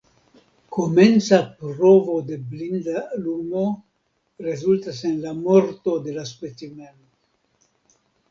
Komenca provo de blinda lumo rezultas en la morto de la specimeno.